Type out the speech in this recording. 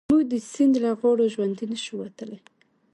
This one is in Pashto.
موږ د سيند له غاړو ژوندي نه شو وتلای.